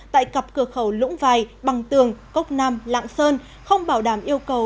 tại cặp cửa khẩu lũng vài bằng tường cốc nam lạng sơn không bảo đảm yêu cầu